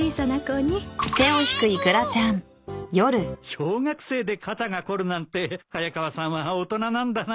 小学生で肩が凝るなんて早川さんは大人なんだな。